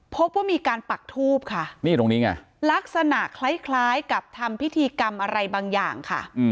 พบว่ามีการปักทูบค่ะนี่ตรงนี้ไงลักษณะคล้ายกับทำพิธีกรรมอะไรบางอย่างค่ะ